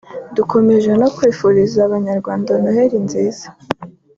dukomeje no kwifuriza Abanyarwanda Noheli nziza”